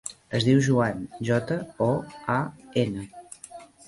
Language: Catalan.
Es diu Joan: jota, o, a, ena.